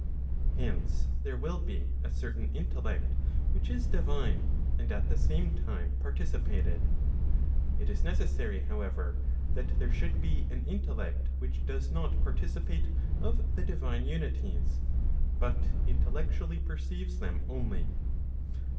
Hence, there will be a certain intellect which is divine and at the same time partici¬ pated. It is necessary however that there should be [an intellect which does not participate *] of the divine unities, but intellectually perceives them only.